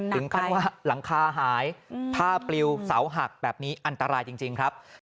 ถึงขั้นว่าหลังคาหายผ้าปลิวเสาหักแบบนี้อันตรายจริงครับ